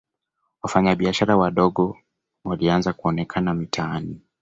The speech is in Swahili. wafanya biashara wadogo walianza kuonekana mitaani